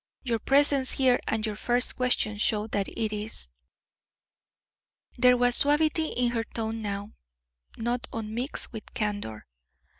Your presence here and your first question show that it is." There was suavity in her tone now, not unmixed with candour.